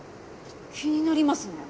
気になりますね。